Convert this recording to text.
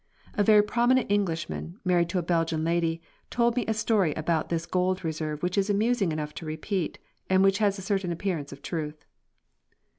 A very prominent Englishman, married to a Belgian lady, told me a story about this gold reserve which is amusing enough to repeat, and which has a certain appearance of truth.